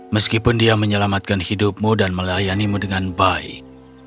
meskipun dia menyelamatkan hidupmu dan melayani mu dengan baik